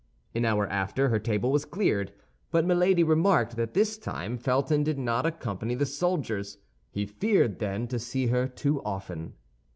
An hour after, her table was cleared; but Milady remarked that this time Felton did not accompany the soldiers. He feared, then, to see her too often.